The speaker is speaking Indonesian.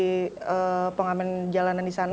jadi pengamen jalanan di sana